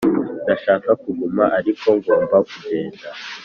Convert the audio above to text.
ndashaka kuguma ariko ngomba kugenda.